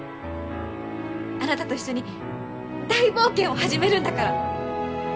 あなたと一緒に大冒険を始めるんだから！